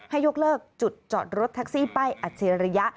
ให้ยกเลิกจุดจอดรถทักซี่ป้ายอัตเซียริยะ